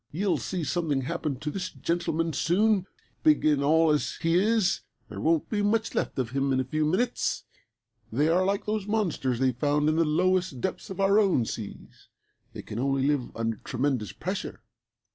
"You'll see something happen to this gentleman soon. Big and all as he is there won't be much left of him in a few minutes. They are like those monsters they found in the lowest depths of our own seas. They can only live under tremendous pressure.